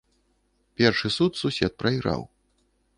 Першы суд сусед прайграў.